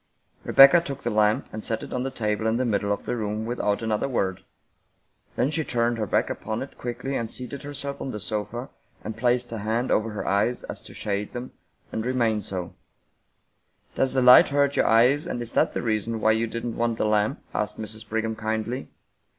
Rebecca took the lamp and set it on the table in the middle of the room without another word. Then she turned her back upon it quickly and seated herself on the sofa, and placed a hand over her eyes as if to shade them, and re mained so, " Does the light hurt your eyes, and is that the reason why you didn't want the lamp?" asked Mrs. Brigham kindly.